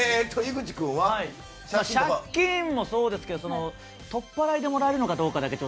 借金もそうですけど取っ払いでもらえるのかどうかだけ。